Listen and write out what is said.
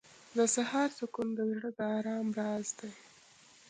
• د سهار سکون د زړه د آرام راز دی.